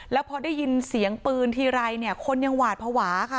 แล้วพอได้ยินเสียงปืนทีไรเนี่ยคนยังหวาดภาวะค่ะ